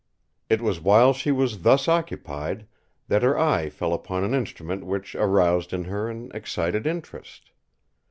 It was while she was thus occupied that her eye fell upon an instrument which aroused in her an excited interest.